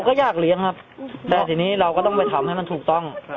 ก็อยากเลี้ยงครับแต่ทีนี้เราก็ต้องไปทำให้มันถูกต้อง